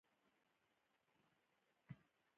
مګر چندانې نتیجه یې نه ده ورکړې.